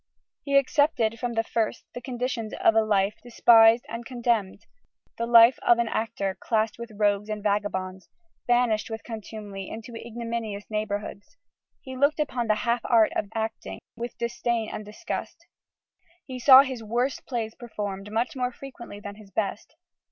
He accepted from the first the conditions of a life despised and contemned, the life of the actor classed with rogues and vagabonds, banished with contumely into ignominious neighbourhoods. "He looked upon the half art of acting with disdain and disgust": he saw his worst plays performed much more frequently than his best.